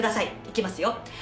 いきますよ。